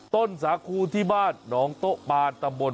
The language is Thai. ต้นสาขูที่บ้านนองโต๊ะบารตบล